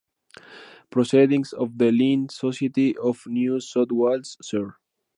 Proceedings of the Linnean Society of New South Wales, ser.